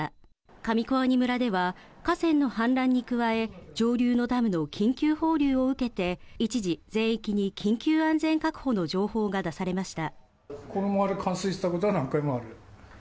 上小阿仁村では河川の氾濫に加え、上流のダムの緊急放流を受けて、一時全域に緊急安全確保の情報が出されました。